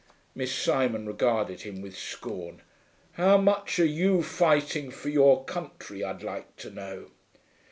Miss Simon regarded him with scorn. 'How much are you fighting for your country, I'd like to know?'